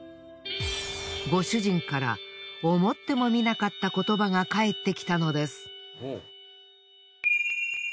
ご主人から思ってもみなかった言葉が返ってきたのです。